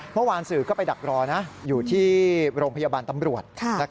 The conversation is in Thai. เมื่อวานสื่อก็ไปดักรออยู่ที่โรงพยาบาลตำรวจ